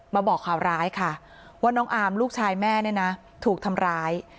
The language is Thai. บอกข่าวร้ายค่ะว่าน้องอาร์มลูกชายแม่เนี่ยนะถูกทำร้าย